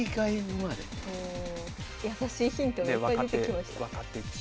やさしいヒントがいっぱい出てきました。